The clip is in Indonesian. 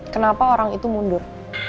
kenapa orang itu mundur